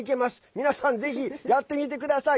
皆さん、ぜひやってみてください。